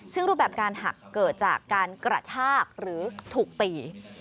ซึ่งรูปแบบการหักเกิดจากการกระชากหรือถูกตี